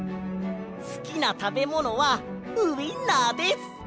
すきなたべものはウインナーです！